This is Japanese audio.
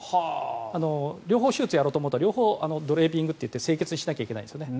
両方手術をやろうとすると両方、ドレーピングと言って清潔にしなきゃいけないですよね